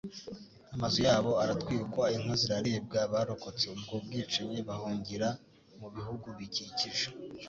amazu yabo aratwikwa, inka ziraribwa, abarokotse ubwo bwicanyi bahungira mu bihugu bikikije